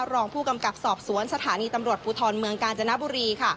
รองผู้กำกับสอบสวนสถานีตำรวจภูทรเมืองกาญจนบุรี